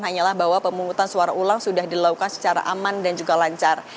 hanyalah bahwa pemungutan suara ulang sudah dilakukan secara aman dan juga lancar